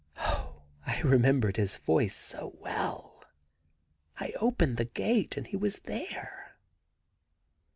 ... Oh, I remembered his voice so well! I opened the gate, and he was there.'